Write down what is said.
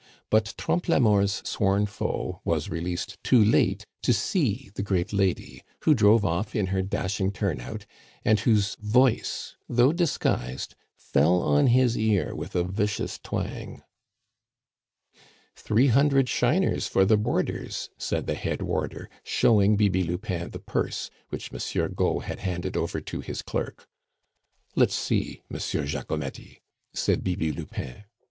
But Trompe la Mort's sworn foe was released too late to see the great lady, who drove off in her dashing turn out, and whose voice, though disguised, fell on his ear with a vicious twang. "Three hundred shiners for the boarders," said the head warder, showing Bibi Lupin the purse, which Monsieur Gault had handed over to his clerk. "Let's see, Monsieur Jacomety," said Bibi Lupin.